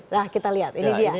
nah kita lihat ini dia